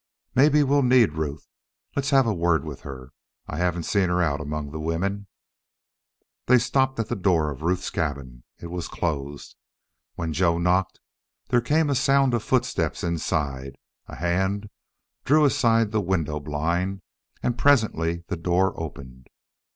Maybe we'll need Ruth. Let's have a word with her. I haven't seen her out among the women." They stopped at the door of Ruth's cabin. It was closed. When Joe knocked there came a sound of footsteps inside, a hand drew aside the window blind, and presently the door opened.